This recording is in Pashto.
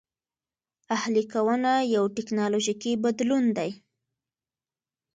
اهلي کونه یو ټکنالوژیکي بدلون دی